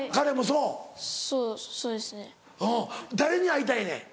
うん誰に会いたいねん？